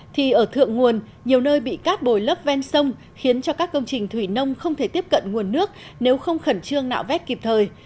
thì ở thượng nguồn nhiều nơi bị cát bồi lấp ven sông khiến cho các công trình thủy nông không thể tiếp cận nguồn nước nếu không khẩn trương nạo vét kịp thời